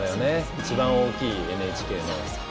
一番大きい、ＮＨＫの。